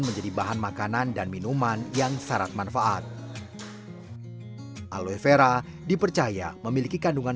menjadi bahan makanan dan minuman yang syarat manfaat aloevera dipercaya memiliki kandungan